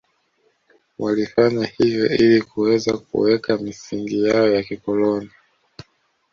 Walifanya hivyo ili kuweza kuweka misingi yao ya kikoloni